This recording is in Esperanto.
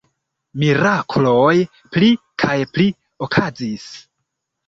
Mirakloj pli kaj pli okazis.